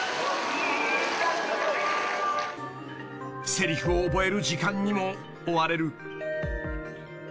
［せりふを覚える時間にも追われる］